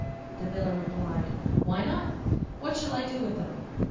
The miller replied, 'Why not? What shall I do with them?